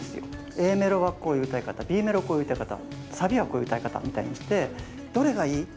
Ａメロはこういう歌い方Ｂメロこういう歌い方サビはこういう歌い方みたいにして「どれがいい？」って歌い終わった時に。